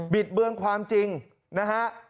ิดเบือนความจริงนะฮะ